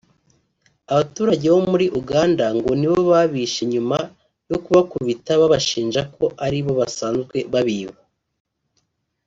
Abaturage bo muri Uganda ngo ni bo babishe nyuma yo kubakubita babashinja ko ari bo basanzwe babiba